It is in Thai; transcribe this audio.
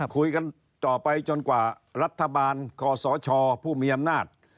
คุยกันต่อไปจนกว่ารัฐบาลคอสชผู้มีอำนาจ